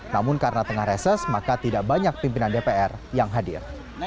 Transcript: namun karena tengah reses maka tidak banyak pimpinan dpr yang hadir